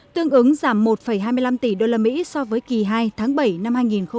tương ứng giảm một hai mươi năm tỷ usd so với kỳ hai tháng bảy năm hai nghìn một mươi chín